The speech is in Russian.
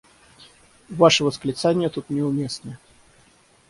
Ваши восклицания тут не уместны.